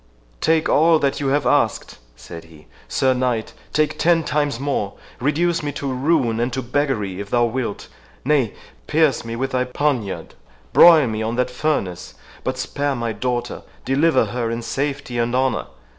"Take all that you have asked," said he, "Sir Knight—take ten times more—reduce me to ruin and to beggary, if thou wilt,—nay, pierce me with thy poniard, broil me on that furnace, but spare my daughter, deliver her in safety and honour!